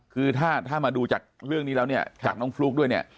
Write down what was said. คือถ้ามาดูจากเรื่องนี้แล้วจากน้องฟลุ๊กด้วย